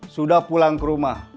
sudah pulang ke rumah